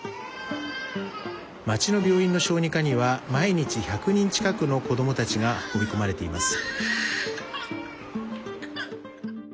町の病院の小児科には毎日１００人近くの子どもたちが運び込まれています。